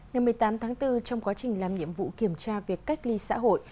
ngày một mươi tám tháng bốn trong quá trình làm nhiệm vụ kiểm tra việc cách ly xã hội